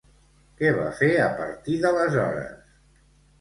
Què va fer a partir d'aleshores?